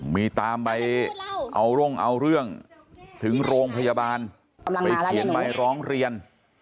มีตามไปเอาร่มเอาเรื่องถึงโรงพยาบาลไปเขียนใบร้องเรียน